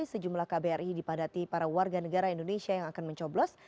sejumlah kbri dipadati para warga negara indonesia yang akan mencoblos